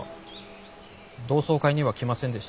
同窓会には来ませんでした。